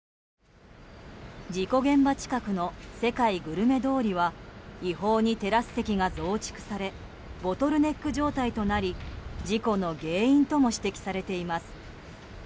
事故現場近くの世界グルメ通りは違法にテラス席が増築されボトルネック状態となり事故の原因とも指摘されています。